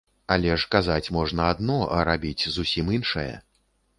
Але ж казаць можна адно, а рабіць зусім іншае.